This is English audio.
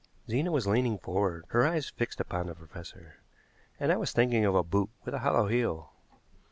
Zena was leaning forward, her eyes fixed upon the professor, and I was thinking of a boot with a hollow heel.